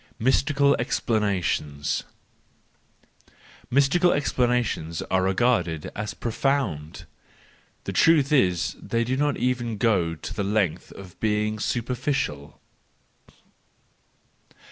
Mystical Explanations .—Mystical explanations are regarded as profound ; the truth is that they do not even go the length of being superficial.